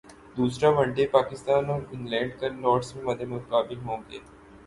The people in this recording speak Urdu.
دوسرا ون ڈے پاکستان اور انگلینڈ کل لارڈز میں مدمقابل ہونگے